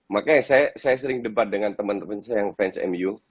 makanya saya sering debat dengan teman teman saya yang fans mu